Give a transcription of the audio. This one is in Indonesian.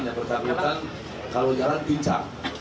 yang bersangkutan kalau jalan pincang